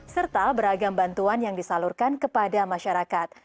serta beragam bantuan yang disalurkan kepada masyarakat